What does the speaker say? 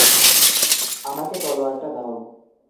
আমাকে তলোয়ারটা দাও।